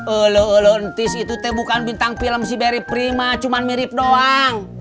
elu elu entis itu bukan bintang film si barry prima cuma mirip doang